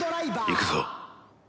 いくぞ！